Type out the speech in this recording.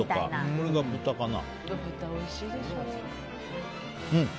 これが豚かな。